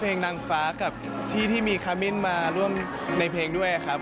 เพลงนางฟ้ากับที่มีคามิ้นมาร่วมในเพลงด้วยครับ